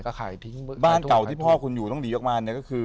บ้านเก่าที่พ่อคุณอยู่ต้องหลีกับบ้านเนี่ยก็คือ